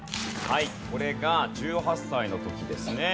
これが１８歳の時ですね。